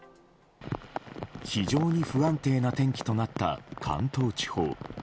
非常に不安定な天気となった関東地方。